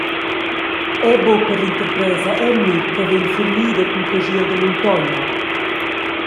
Era buca per l’interpresa Emmi che vegn furnida cun caschiel da muntogna.